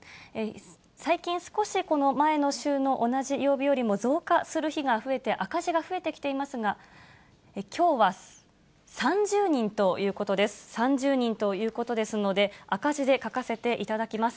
最近、少し、この前の週の同じ曜日よりも増加する日が増えて、赤字が増えてきていますが、きょうは３０人ということです。